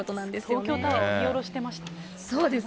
東京タワーを見下ろしてましたね。